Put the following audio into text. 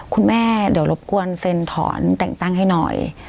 คุณแม่เดี๋ยวรบกวนเซ็นถอนแต่งตั้งให้หน่อย